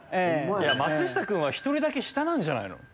松下君は１人だけ下なんじゃないの？